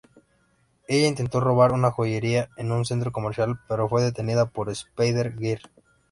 Ella intentó robar una joyería en un centro comercial, pero fue detenida por Spider-Girl.